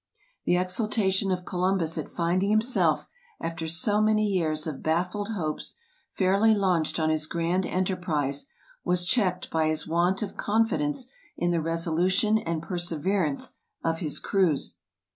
The exultation of Columbus at finding himself, after so many years of baffled hopes, fairly launched on his grand enterprise, was checked by his want of confidence in the resolution and perseverance of his crews.